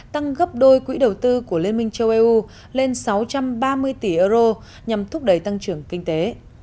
tăng gấp đôi quỹ đầu tư của liên minh châu âu lên sáu trăm ba mươi tỷ euro nhằm thúc đẩy tăng trưởng kinh tế